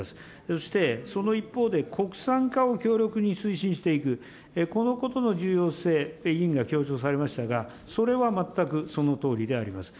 そして、その一方で、国産化を強力に推進していく、このことの重要性、委員が主張されましたが、それは全くそのとおりであります。